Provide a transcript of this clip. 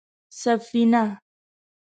_سفينه؟